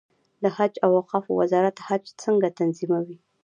د حج او اوقافو وزارت حج څنګه تنظیموي؟